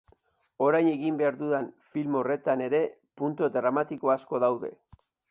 Orain egin behar dudan film horretan ere puntu dramatiko asko daude.